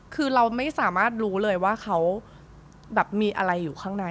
คือเราไม่สามารถรู้เลยว่าเขาแบบมีอะไรอยู่ข้างใน